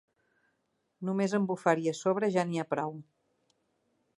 Només amb bufar-hi a sobre ja n'hi ha prou.